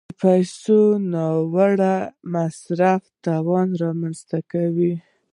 د پیسو ناوړه مصرف تاوان رامنځته کوي.